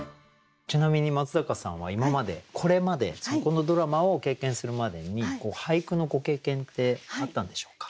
ちなみに松坂さんは今までこれまでこのドラマを経験するまでに俳句のご経験ってあったんでしょうか？